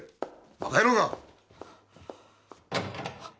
バカ野郎が！